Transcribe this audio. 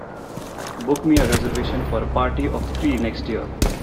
Book me a reservation for a party of three next year